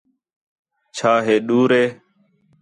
چَھا ہے ڈُور ہے؟